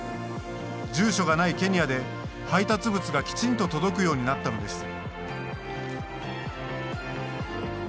住所がないケニアで配達物がきちんと届くようになったのです。